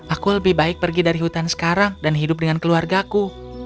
aku lebih baik pergi dari hutan sekarang dan hidup dengan keluargaku